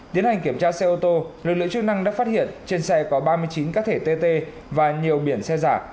tiến hành kiểm tra xe ô tô lực lượng chức năng đã phát hiện trên xe có ba mươi chín cá thể tt và nhiều biển xe giả